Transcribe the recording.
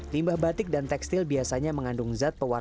dia tidak tahu berapa saya kerjakan letter